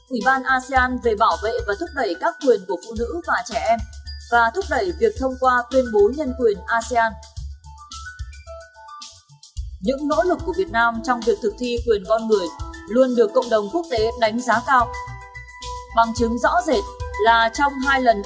ủy ban asean về bảo vệ và thúc đẩy các quyền của phụ nữ và trẻ em và thúc đẩy việc thông qua tuyên bố nhân quyền asean